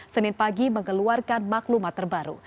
senin pagi mengeluarkan maklumat terbaru